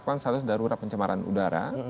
satu untuk menetapkan status darurat pencemaran udara